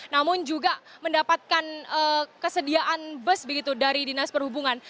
namun juga mendapatkan kesediaan bus begitu dari dinas perhubungan